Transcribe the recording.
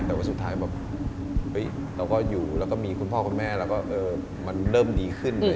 แต่ว่าสุดท้ายแบบเราก็อยู่แล้วก็มีคุณพ่อคุณแม่แล้วก็มันเริ่มดีขึ้น